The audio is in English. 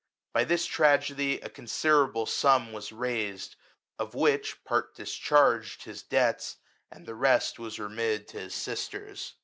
By this tragedy a considerable sum was raised, of which, part discharged his debts, and the rest was remitted to his sisters.